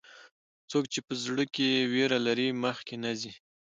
څوک چې په زړه کې ویره لري، مخکې نه ځي.